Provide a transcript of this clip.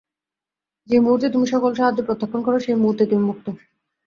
যে মুহূর্তে তুমি সকল সাহায্য প্রত্যাখান কর, সেই মুহূর্তেই তুমি মুক্ত।